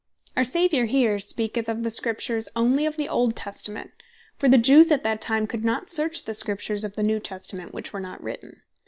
Our Saviour here speaketh of the Scriptures onely of the Old Testament; for the Jews at that time could not search the Scriptures of the New Testament, which were not written.